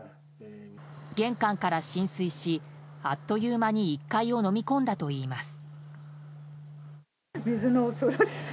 玄関から浸水し、あっというまに１階をのみ込んだといいます。